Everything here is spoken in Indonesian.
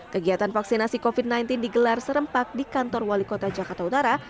kegiatan vaksinasi covid sembilan belas digelar serempak di kantor wali kota jakarta utara